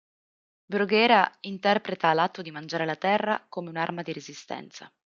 Bruguera interpreta l'atto di mangiare la terra come un"arma di resistenza".